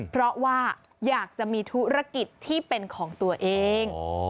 เพราะว่าอยากจะมีธุรกิจที่เป็นของตัวเอง